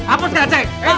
apus gak ceng